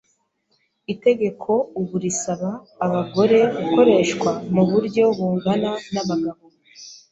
Itegeko ubu risaba abagore gukoreshwa muburyo bungana nabagabo.